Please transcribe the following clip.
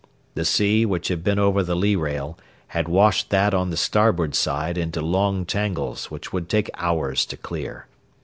The sea, which had been over the lee rail, had washed that on the starboard side into long tangles which would take hours to clear.